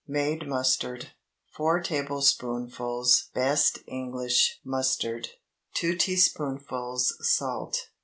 MADE MUSTARD. ✠ 4 tablespoonfuls best English mustard. 2 teaspoonfuls salt.